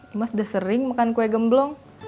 imas udah sering makan kue gemblong